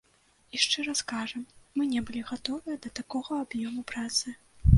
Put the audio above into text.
І, шчыра скажам, мы не былі гатовыя да такога аб'ёму працы.